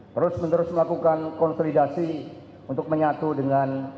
terus menerus melakukan konsolidasi untuk menyatu dengan